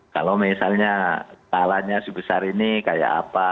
kalau misalnya skalanya sebesar ini kayak apa